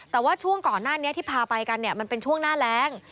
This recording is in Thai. แต่ว่าช่วงก่อนหน้านี้ที่พาไปกันเนี่ยมันเป็นช่วงหน้าแรง